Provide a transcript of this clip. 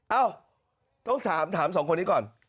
เอ้าต้องถามสองคนนี้ก่อน